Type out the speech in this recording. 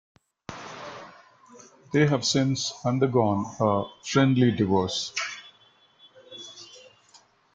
They have since undergone a "friendly divorce".